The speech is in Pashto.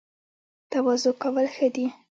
تواضع کول ښه دي